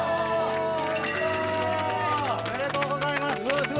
ありがとうございます。